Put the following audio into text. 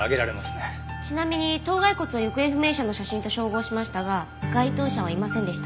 ちなみに頭蓋骨を行方不明者の写真と照合しましたが該当者はいませんでした。